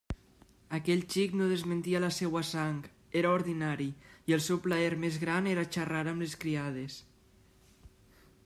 Aquell xic no desmentia la seua sang; era ordinari, i el seu plaer més gran era xarrar amb les criades.